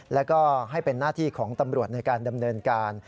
แล้วก็ให้เป็นหน้าที่ของตำรวจในการดำเนินการ